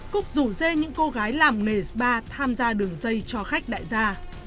cúc rủ dê những cô gái làm nghề spa tham gia đường dây cho khách đại gia